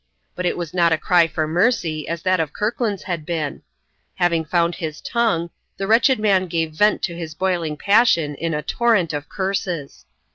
But it was not a cry for mercy, as that of Kirkland's had been. Having found his tongue, the wretched man gave vent to his boiling passion in a torrent of curses.